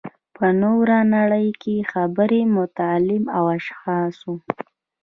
په نوره نړۍ کې خبري مطالب د اشخاصو.